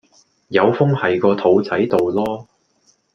有風係個肚仔到囉